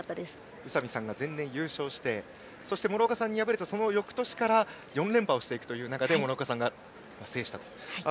宇佐美さんが前年、優勝してそして、諸岡さんに敗れたそのよくとしから４連覇していくという中で諸岡さんが制したと。